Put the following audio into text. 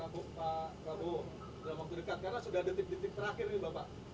pak sb mungkin punya pandangan sedikit atau pak prabo